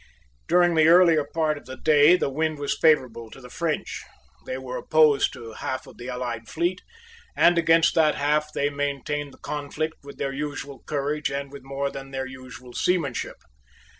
During the earlier part of the day the wind was favourable to the French; they were opposed to half of the allied fleet; and against that half they maintained the conflict with their usual courage and with more than their usual seamanship.